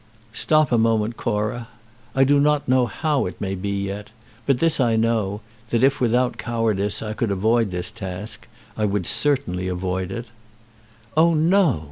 "Stop a moment, Cora. I do not know how it may be yet. But this I know, that if without cowardice I could avoid this task, I would certainly avoid it." "Oh no!